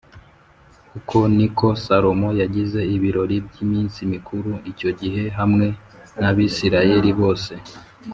Uko ni ko Salomo yagize ibirori by’iminsi mikuru icyo gihe hamwe n’Abisirayeli bose